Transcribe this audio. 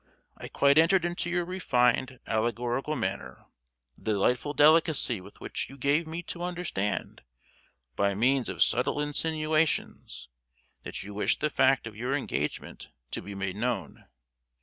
"I quite entered into your refined, allegorical manner; the delightful delicacy with which you gave me to understand, by means of subtle insinuations, that you wished the fact of your engagement to be made known.